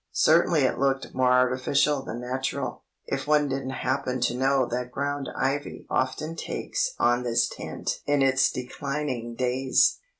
Certainly it looked more artificial than natural, if one didn't happen to know that ground ivy often takes on this tint in its declining days.